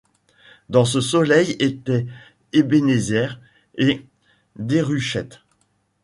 Dans ce soleil étaient Ebenezer et Déruchette.